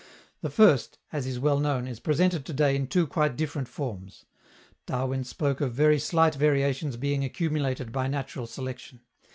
The first, as is well known, is presented to day in two quite different forms. Darwin spoke of very slight variations being accumulated by natural selection.